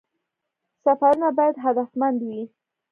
سفرونه باید هدفمند وي